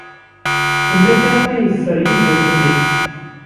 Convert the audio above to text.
Yella kra ay yeffer Yidir fell-i?